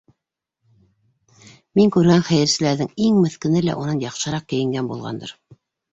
Мин күргән хәйерселәрҙең иң меҫкене лә унан яҡшыраҡ кейенгән булғандыр.